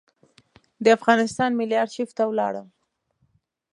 د افغانستان ملي آرشیف ته ولاړم.